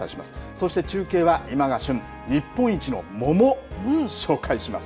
そして中継は、今が旬、日本一の桃、紹介します。